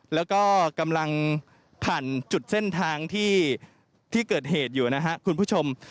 แล้วก็กำลังผ่านจุดเส้นทางที่เกิดเหตุอยู่นะครับคุณผู้ชม